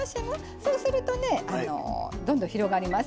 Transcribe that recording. そうするとねどんどん広がります。